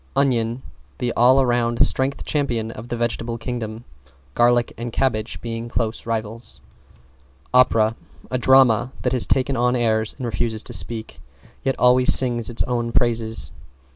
=ONION= The all round strength champion of the Vegetable Kingdom, garlic and cabbage being close rivals. =OPERA= A drama that has taken on airs and refuses to speak, yet always sings its own praises.